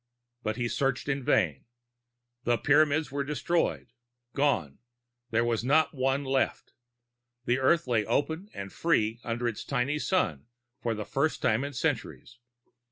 But he searched in vain. The Pyramids were destroyed, gone. There was not one left. The Earth lay open and free under its tiny sun for the first time in centuries.